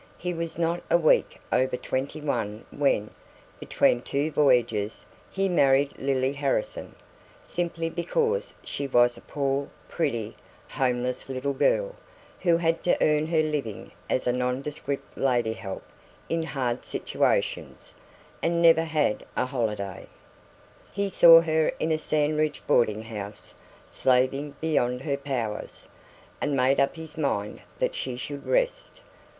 He was not a week over twenty one when, between two voyages, he married Lily Harrison, simply because she was a poor, pretty, homeless little girl, who had to earn her living as a nondescript lady help in hard situations, and never had a holiday. He saw her in a Sandridge boarding house, slaving beyond her powers, and made up his mind that she should rest.